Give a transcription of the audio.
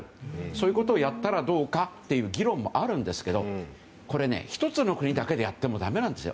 そういうことをやったらどうかという議論もあるんですけどこれ、１つの国だけでやってもだめなんです。